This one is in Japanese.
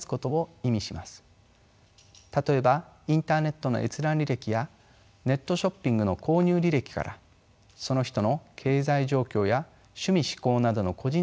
例えばインターネットの閲覧履歴やネットショッピングの購入履歴からその人の経済状況や趣味嗜好などの個人像が導かれます。